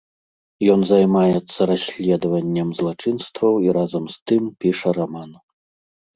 Ён займаецца расследаваннем злачынстваў і разам з тым піша раман.